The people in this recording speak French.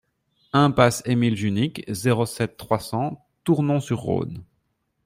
Impasse Émile Junique, zéro sept, trois cents Tournon-sur-Rhône